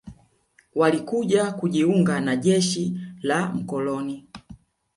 Walikuja kujiunga na jeshi la mkoloni